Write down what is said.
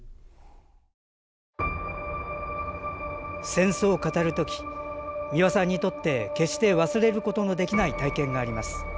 戦争を語る時美輪さんにとって決して忘れることのできない体験があります。